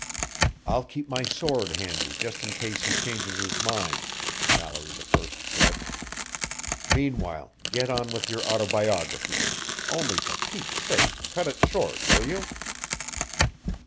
"I'll keep my sword handy just in case he changes his mind," Mallory I said. "Meanwhile, get on with your autobiography only for Pete's sake, cut it short, will you?"